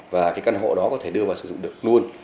và cái căn hộ đó có thể đưa vào sử dụng được luôn